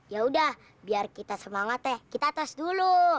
yaudah biar kita semangat ya kita atas dulu